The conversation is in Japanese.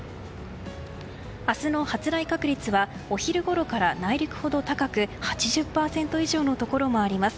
明日の発雷確率はお昼頃から内陸ほど高く８０％以上のところもあります。